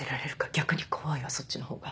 逆に怖いわそっちのほうが。